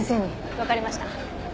わかりました。